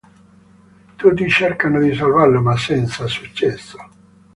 Tutti cercano di salvarlo, ma senza successo.